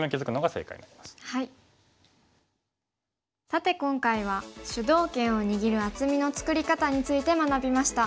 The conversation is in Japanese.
さて今回は主導権を握る厚みの作り方について学びました。